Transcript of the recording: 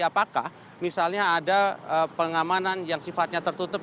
apakah misalnya ada pengamanan yang sifatnya tertutup